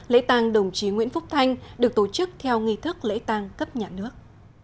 lễ tàng đồng chí nguyễn phúc thanh được tổ chức theo nghi thức lễ tang cấp nhà nước